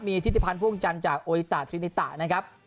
มีทฤษภัณฑ์ภูมิจันทร์จากโอยิตาทรินิตานะครับ